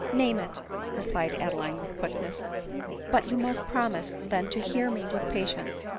" Name it," replied Adeline with quickness. " But you must promise then to hear me with patience.